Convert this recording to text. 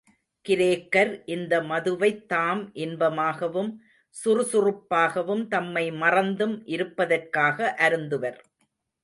கிரேக்கர் இந்த மதுவைத் தாம் இன்பமாகவும் சுறுசுறுப்பாகவும் தம்மை மறந்தும் இருப்பதற்காக அருந்துவர்.